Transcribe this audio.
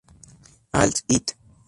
All It